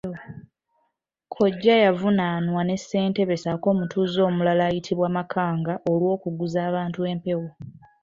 Kkojja yavunaanwa ne Ssentebe ssaako omutuuze omulala ayitibwa Makanga olw'okuguza abantu empewo.